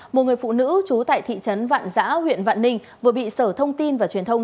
một người phụ nữ trú tại thị trấn vạn giã huyện vạn ninh vừa bị sở thông tin và truyền thông